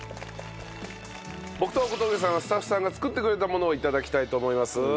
僕と小峠さんはスタッフさんが作ってくれたものを頂きたいと思います。